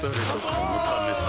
このためさ